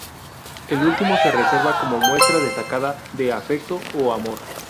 El último se reserva como muestra destacada de afecto o amor.